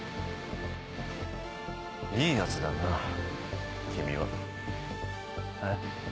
いいヤツだな君は。え？